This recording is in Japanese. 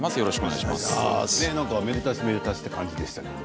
めでたしめでたしという感じでしたね。